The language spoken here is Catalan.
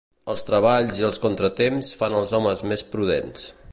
Els treballs i els contratemps fan els homes més prudents.